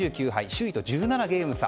首位と１７ゲーム差。